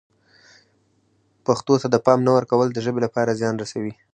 پښتو ته د پام نه ورکول د ژبې لپاره زیان رسوي.